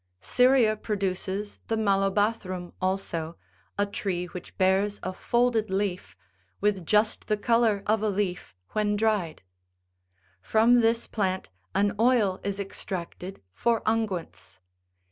Syria produces the malobathrum86 also, a tree which bears a folded leaf, with just the colour of a leaf when dried. From this plant an oil is extracted for unguents.